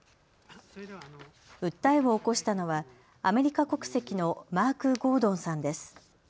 訴えを起こしたのはアメリカ国籍のマーク・ゴードンさんです。